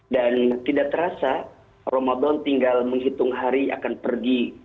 dan tidak terasa ramadan tinggal menghitung hari akan pergi